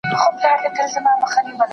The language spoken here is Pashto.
¬ په هره شپه پسي سهار سته.